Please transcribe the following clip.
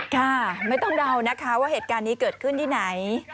ค่ะไม่ต้องเดานะคะว่าเหตุการณ์นี้เกิดขึ้นที่ไหน